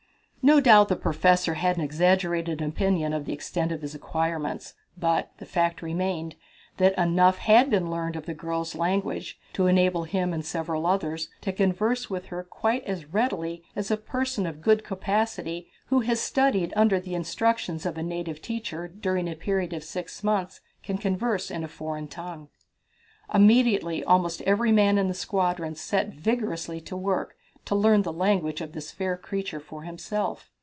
No doubt the Professor had an exaggerated opinion of the extent of his acquirements, but the fact remained that enough had been learned of the girl's language to enable him and several others to converse with her quite as readily as a person of good capacity who has studied under the instructions of a native teacher during a period of six months can converse in a foreign tongue. Immediately almost every man in the squadron set vigorously at work to learn the language of this fair creature for himself.